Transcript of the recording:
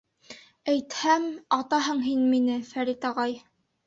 — Әйтһәм, атаһың һин мине, Фәрит ағай.